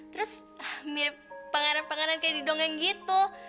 terus mirip pengaran pengaran kayak di dongeng gitu